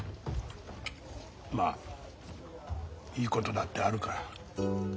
まあいいことだってあるから。